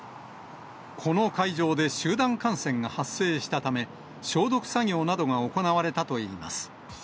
この会場で集団感染が発生したため、消毒作業などが行われたといいます。